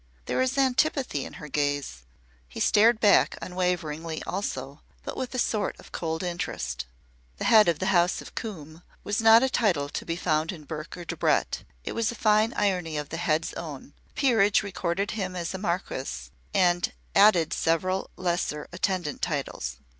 There is antipathy in her gaze." He stared back unwaveringly also, but with a sort of cold interest. "The Head of the House of Coombe" was not a title to be found in Burke or Debrett. It was a fine irony of the Head's own. The peerage recorded him as a marquis and added several lesser attendant titles.